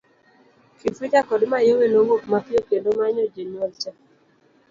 Kifuja kod Mayowe nowuok mapiyo kendo manyo janyuol cha.